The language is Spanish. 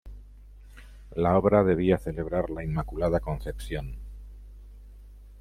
La obra debía celebrar la Inmaculada Concepción.